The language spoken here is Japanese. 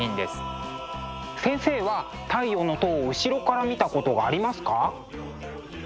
先生は「太陽の塔」を後ろから見たことはありますか？